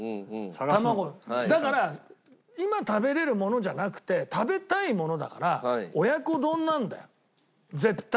卵だから今食べれるものじゃなくて食べたいものだから親子丼なんだよ絶対に！